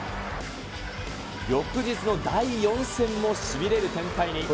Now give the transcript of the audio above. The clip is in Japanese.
翌日の第４戦もしびれる展開に。